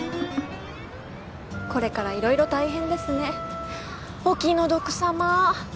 これから色々大変ですねお気の毒さま